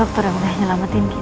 dokter yang sudah menyelamatin kita